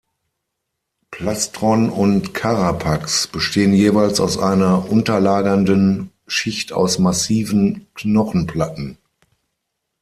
Plastron und Carapax bestehen jeweils aus einer unterlagernden Schicht aus massiven Knochenplatten.